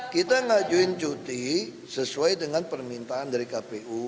kita ngajuin cuti sesuai dengan permintaan dari kpu